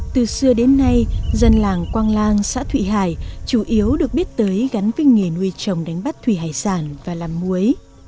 từ xưa đến nay dân làng quang lang xã thụy hải chủ yếu được biết tới gắn với nghề nuôi trồng đánh bắt thủy hải sản và làm muối